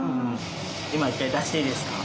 今一回出していいですか？